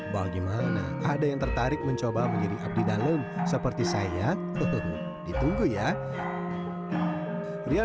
bagaimana ada yang tertarik mencoba menjadi abdi dalam seperti saya ditunggu ya ria